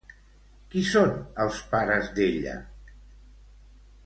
Qui són els pares d'ella?